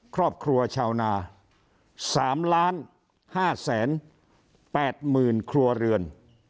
ครอบครัวชาวนาสามล้านห้าแสนแปดหมื่นครัวเรือน